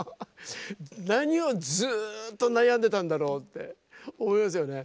何をずっと悩んでたんだろうって思いますよね。